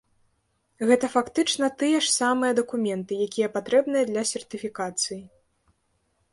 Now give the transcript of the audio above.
Гэта фактычна тыя ж самыя дакументы, якія патрэбныя для сертыфікацыі.